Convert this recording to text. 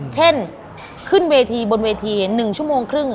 เช่นขึ้นเวทีบนเวที๑ชั่วโมงครึ่ง